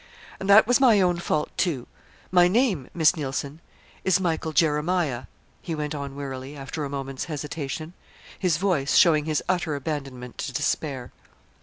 "And that was my own fault, too. My name, Miss Neilson, is Michael Jeremiah," he went on wearily, after a moment's hesitation, his voice showing his utter abandonment to despair.